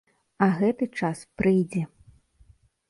А гэты час прыйдзе!